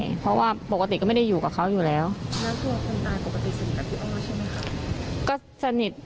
คืออายุมันไล่เนี่ยการมีอะไรก็คุยกันนั่นแหละ